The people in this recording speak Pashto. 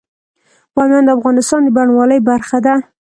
بامیان د افغانستان د بڼوالۍ برخه ده.